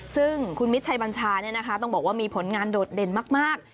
ซึ่งคุณมิตรชัยบัญชาต้องบอกว่ามีผลงานโดดเด่นมาก